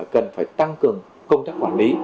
cần phải tăng cường công tác quản lý